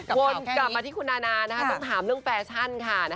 วนกลับมาที่คุณนานาต้องถามเรื่องแฟชั่นค่ะ